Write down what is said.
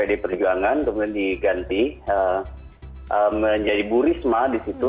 kemudian diperjuangkan kemudian diganti menjadi bu risma di situ